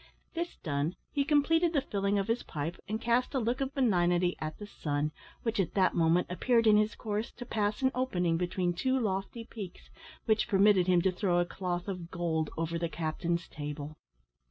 This done, he completed the filling of his pipe, and cast a look of benignity at the sun, which at that moment happened in his course to pass an opening between two lofty peaks, which permitted him to throw a cloth of gold over the captain's table.